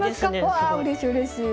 わあうれしいうれしい。